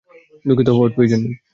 দুঃখিত হওয়ার প্রয়োজন নেই।